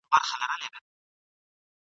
پهلوان د منبرونو شین زمری پکښي پیدا کړي !.